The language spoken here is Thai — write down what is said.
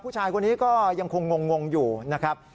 ผู้ชายคนนี้ก็ยังคงงงอยู่นะครับ